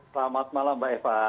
selamat malam mbak eva